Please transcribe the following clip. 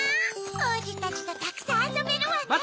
おうじたちとたくさんあそべるわね。